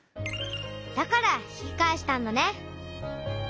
だから引き返したんだね。